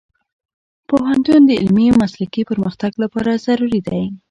پوهنتون د علمي او مسلکي پرمختګ لپاره ضروري دی.